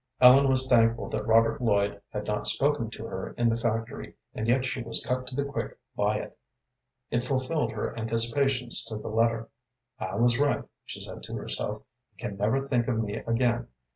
Ellen was thankful that Robert Lloyd had not spoken to her in the factory, and yet she was cut to the quick by it. It fulfilled her anticipations to the letter. "I was right," she said to herself; "he can never think of me again.